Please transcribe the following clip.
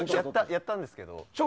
やったんですけど。